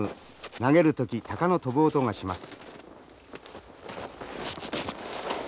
投げる時タカの飛ぶ音がします。